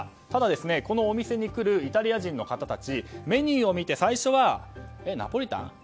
ただ、このお店に来るイタリア人の方たちメニューを見て最初はえ、ナポリタン？